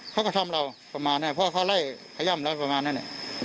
เขาก็ทำเราประมาณนั้นเพราะเขาไล่พย่ำเราประมาณนั้นเนี่ย